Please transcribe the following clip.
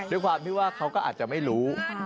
ด้วยความที่ว่าเขาก็อาจจะไม่รู้